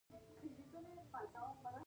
هغه ذات چې روح ته یې ځواک ورکړ.